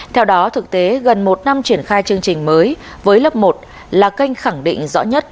theo đó thực tế gần một năm triển khai chương trình mới với lớp một là kênh khẳng định rõ nhất